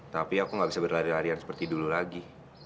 tapi dia pasti mati dulu lagi